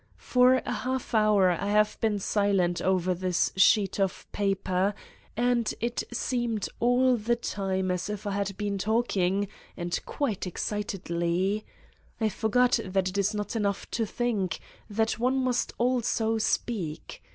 For a half hour I have been silent over this sheet of paper and it seemed all the time as if I had been talking and quite excit edly! I forgot that it is not enough to think, that one must also speak!